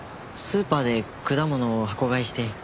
スーパーで果物を箱買いして。